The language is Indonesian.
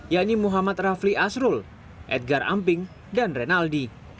yakni muhammad rafli asrul edgar amping dan rinaldi